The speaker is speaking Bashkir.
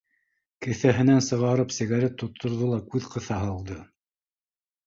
Кеҫәһенән сығарып сигарет тотторҙо ла күҙ ҡыҫа һалды: